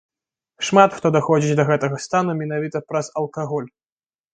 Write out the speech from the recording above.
Шмат хто даходзіць да гэтага стану менавіта праз алкаголь.